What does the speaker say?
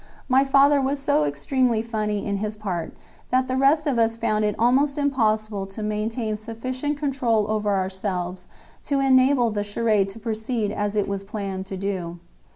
My father was so extremely funny in his part that the rest of us found it almost impossible to maintain sufficient control over ourselves to enable the charade to proceed as it was planned to do.